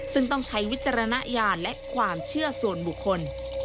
ซึ่งต้องใช้วิจารณญาณและความเชื่อส่วนบุคคล